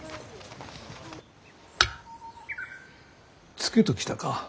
ツケときたか。